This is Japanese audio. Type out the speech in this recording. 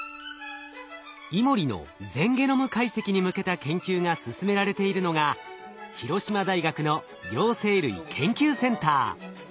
イモリの全ゲノム解析に向けた研究が進められているのが広島大学の両生類研究センター。